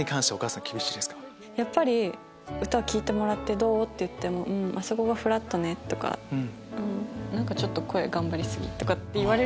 やっぱり歌聴いてもらってどう？って言っても「あそこがフラットね」とか「ちょっと声頑張り過ぎ」とか。